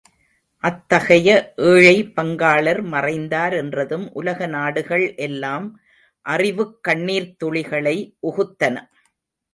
அத்தகைய ஏழை பங்காளர் மறைந்தார் என்றதும் உலக நாடுகள் எல்லாம் அறிவுக் கண்ணீர்த் துளிகளை உகுத்தன.